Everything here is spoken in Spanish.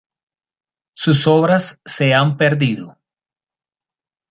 Sus obras se han perdido.